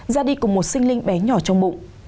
ra đi cùng một sinh linh bé nhỏ trong bụng